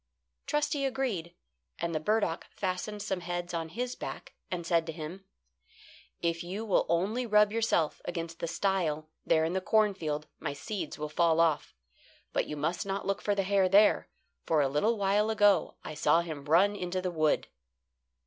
Trusty agreed, and the burdock fastened some heads on his back, and said to him: "If you will only rub yourself against the stile there in the cornfield, my seeds will fall off. But you must not look for the hare there, for a little while ago I saw him run into the wood."